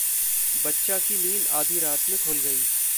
बच्चा की नींद आधी रात में खुल गई।